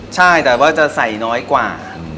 ใช่แต่ว่าจะใส่น้อยกว่า